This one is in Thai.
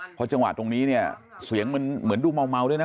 พอจังหวะตรงนี้เนี่ยเสียงมันเหมือนดูเมาด้วยนะ